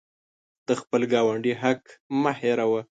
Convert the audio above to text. د خپل ګاونډي حق مه هیروه.